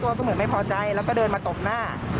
ก็เหมือนไม่พอใจแล้วก็เดินมาตบหน้า